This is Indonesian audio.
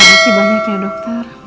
terima kasih banyak ya dokter